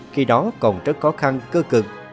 khi đó còn rất khó khăn cơ cực